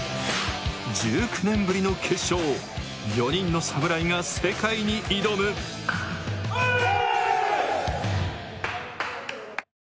１９年ぶりの決勝４人の侍が世界に挑むおーっ！